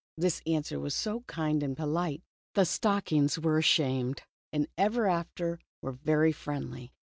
This answer was so kind and polite, that the stockings were ashamed, and ever after, were very friendly.